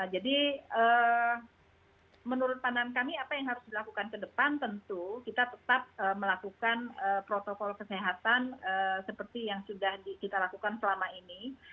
jadi menurut pandangan kami apa yang harus dilakukan ke depan tentu kita tetap melakukan protokol kesehatan seperti yang sudah kita lakukan selama ini